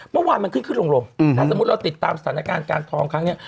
เมื่อวานมันขึ้นขึ้นลงถ้าสมมุติเราติดตามสถานการณ์การทองครั้งนี้